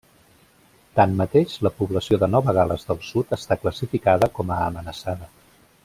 Tanmateix, la població de Nova Gal·les del Sud està classificada com a amenaçada.